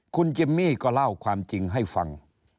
คุณจิมมี่ก็เล่าความจริงให้ฟัง